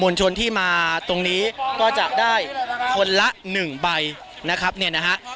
มวลชนที่มาตรงนี้ก็จะได้คนละ๑ใบนะครับเนี่ยนะครับ